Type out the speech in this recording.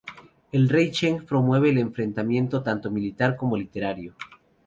El rey Cheng promueve el entrenamiento tanto militar como literario.